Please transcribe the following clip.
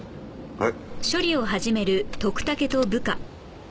はい。